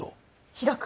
開く！